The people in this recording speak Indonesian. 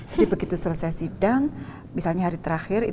jadi begitu selesai sidang misalnya hari terakhir